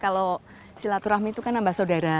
kalau silaturahmi itu kan nambah saudara